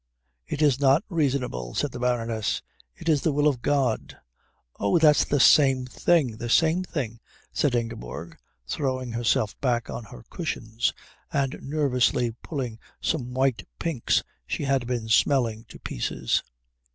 "It is not reasonable," said the Baroness. "It is the Will of God." "Oh, that's the same thing, the same thing," said Ingeborg, throwing herself back on her cushions and nervously pulling some white pinks she had been smelling to pieces.